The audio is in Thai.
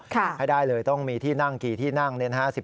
ให้ได้เลยต้องมีที่นั่ง๓๐๐๐๑๔๐๐ที่นั่ง